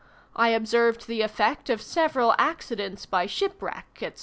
I observed the effect of several accidents by shipwreck, &c.